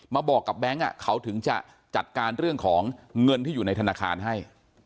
บอกกับแบงค์เขาถึงจะจัดการเรื่องของเงินที่อยู่ในธนาคารให้